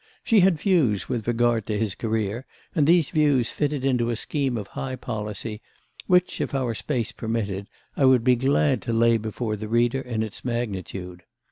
She had views with regard to his career, and these views fitted into a scheme of high policy which, if our space permitted, I should be glad to lay before the reader in its magnitude.